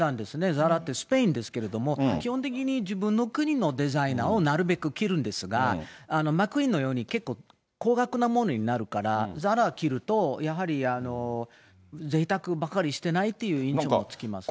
ＺＡＲＡってスペインですけど、基本的に自分の国のデザイナーをなるべく着るんですが、マックイーンのように結構高額なものになるから、ＺＡＲＡ着ると、やっぱり、ぜいたくばかりしてないって印象がつきますね。